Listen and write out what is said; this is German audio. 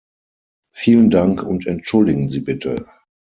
Vielen Dank und entschuldigen Sie bitte.